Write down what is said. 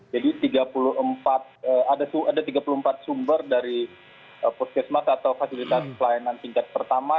jadi ada tiga puluh empat sumber dari puskesmas atau fasilitas pelayanan tingkat pertama